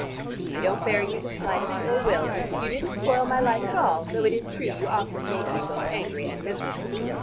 I don't bear you the slightest ill will. You didn't spoil my life at all, though it is true you often made me both angry and miserable.